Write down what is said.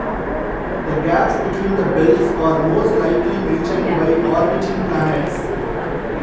The gaps between the belts are most likely maintained by orbiting planets.